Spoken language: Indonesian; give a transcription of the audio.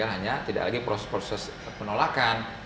hanya tidak lagi proses proses penolakan